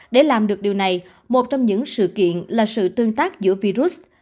để làm được điều này một trong những sự kiện là sự tương tác giữa virus